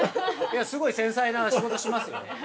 すごい繊細な仕事しますよ。